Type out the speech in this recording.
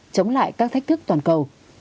chống lại các thách thức toàn cầu